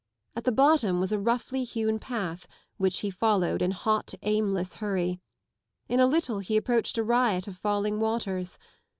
At the bottom was a roughly hewn path which he followed in hot aimless hurry. In a little he approached a riot of falling waters.